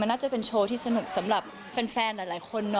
น่าจะเป็นโชว์ที่สนุกสำหรับแฟนหลายคนเนอ